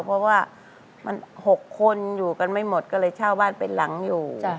เพราะว่ามัน๖คนอยู่กันไม่หมดก็เลยเช่าบ้านเป็นหลังอยู่